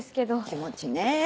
気持ちねぇ。